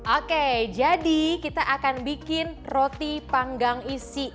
oke jadi kita akan bikin roti panggang isi